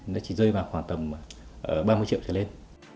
nó chỉ rơi vào khoảng tầm ba mươi triệu trở lên